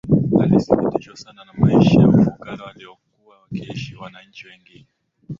Alisikitishwa sana na maisha ya ufukara waliokuwa wakiishi wananchi wengi